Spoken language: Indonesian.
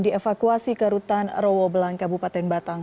dievakuasi ke rutan rowo belang kabupaten batang